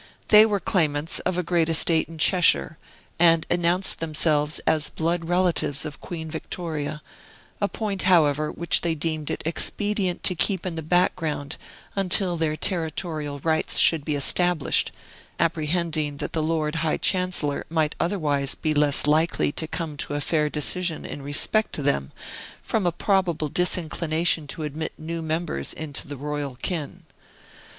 They were claimants of a great estate in Cheshire, and announced themselves as blood relatives of Queen Victoria, a point, however, which they deemed it expedient to keep in the background until their territorial rights should be established, apprehending that the Lord High Chancellor might otherwise be less likely to come to a fair decision in respect to them, from a probable disinclination to admit new members into the royal kin.